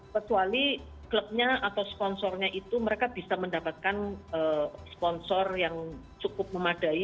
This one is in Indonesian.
kecuali klubnya atau sponsornya itu mereka bisa mendapatkan sponsor yang cukup memadai